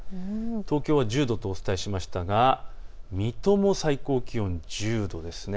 東京は１０度とお伝えしましたが水戸も最高気温１０度です。